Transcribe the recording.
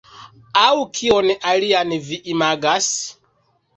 Aŭ kion alian vi imagas?